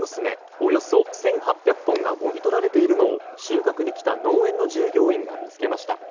およそ１８００本がもぎ取られているのを収穫に来た農園の従業員が見つけました。